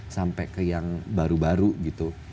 sampai ke yang baru baru gitu